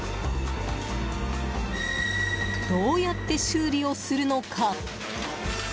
どうやって修理をするのか。